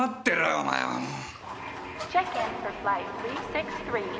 お前はもぅ！